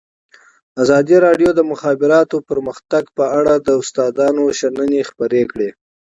ازادي راډیو د د مخابراتو پرمختګ په اړه د استادانو شننې خپرې کړي.